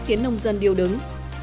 khiến nông dân điều đứng